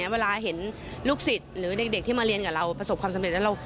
เวลาเห็นลูกศิษย์หรือเด็กที่มาเรียนกับเราประสบความสำเร็จแล้ว